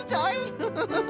フフフフ。